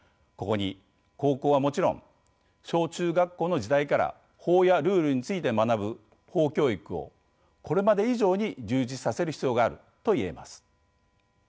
ここに高校はもちろん小・中学校の時代から法やルールについて学ぶ「法教育」をこれまで以上に充実させる必要があるといえます。